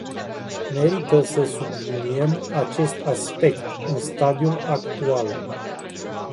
Merită să subliniem acest aspect în stadiul actual.